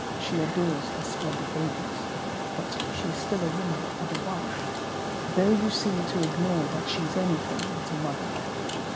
She adores her splendid babies, but she is still a woman and a wife, though you seem to ignore that she is anything but a mother.